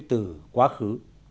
từ quá khứ